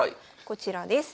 こちらです。